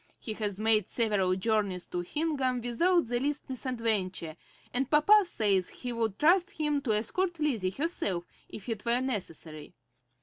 He has made several journeys to Hingham without the least misadventure, and papa says he would trust him to escort Lizzie herself if it were necessary.